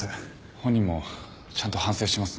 本人もちゃんと反省しますんで。